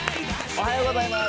おはようございます。